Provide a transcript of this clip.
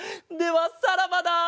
ではさらばだ！